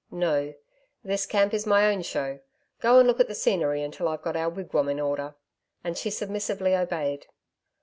'No, this camp is my own show. Go and look at the scenery until I've got our wigwam in order.' And she submissively obeyed.